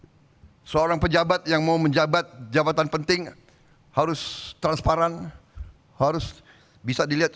seorang pejabat yang mau menjabat jabatan penting harus transparan harus bisa dilihat